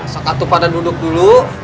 sok atuk pada duduk dulu